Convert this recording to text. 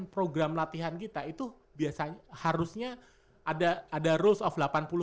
delapan puluh program latihan kita itu biasanya harusnya ada rules of delapan puluh dua puluh